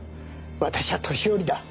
私は年寄りだ。